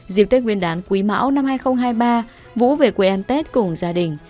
dịp tết nguyên đán quý mão năm hai nghìn hai mươi ba vũ về quê ăn tết cùng gia đình